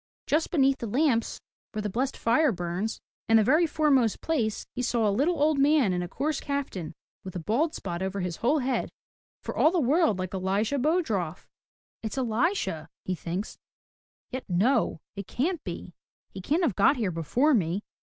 Just beneath the lamps where the blessed fire burns, in the very fore most place, he saw a little old man in a coarse kaftan, with a bald spot over his whole head, — for all the world like Elisha Bodroff. "It's Elisha," he thinks. "Yet no! It can't be! He can't have got here before me.